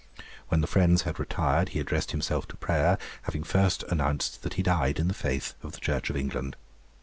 When the friends had retired he addressed himself to prayer, having first announced that he died in the faith of the Church of England.